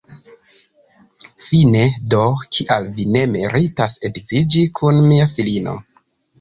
Fine do, kial vi ne meritas edziĝi kun mia filino?